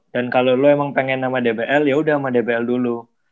dan kalo lo emang pengen sama dbl yaudah sama dbl dulu